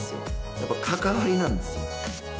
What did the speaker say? やっぱ関わりなんですよ